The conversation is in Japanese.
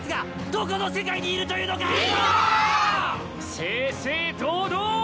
正々堂々。